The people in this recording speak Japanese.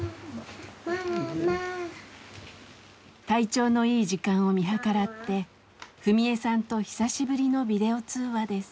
体調のいい時間を見計らって史恵さんと久しぶりのビデオ通話です。